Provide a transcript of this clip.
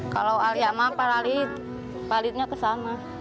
kalau alia maaf pak alid pak alidnya ke sana